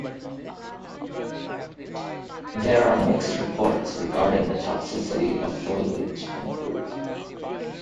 There are mixed reports regarding the toxicity of foliage and fruit.